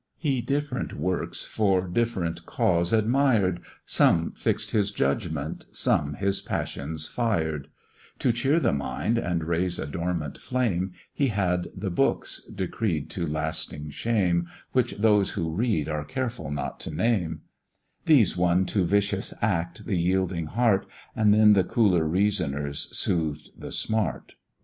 He different works for different cause admired, Some fix'd his judgment, some his passions fired; To cheer the mind and raise a dormant flame, He had the books, decreed to lasting shame, Which those who read are careful not to name: These won to vicious act the yielding heart, And then the cooler reasoners soothed the smart.